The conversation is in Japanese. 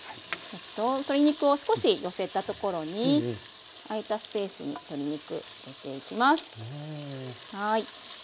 鶏肉を少し寄せたところに空いたスペースに入れていきます。